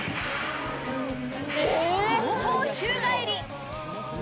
後方宙返り。